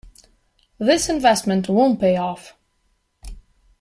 This investment won't pay off.